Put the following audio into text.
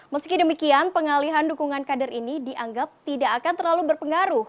meski demikian pengalihan dukungan kader ini dianggap tidak akan terlalu berpengaruh